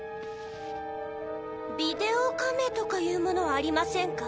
ビデオカメとかいうものはありませんか？